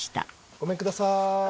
ごめんください。